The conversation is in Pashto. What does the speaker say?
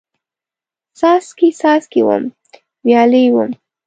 څاڅکي، څاڅکي وم، ویالې وم